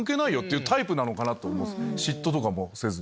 嫉妬とかもせずに。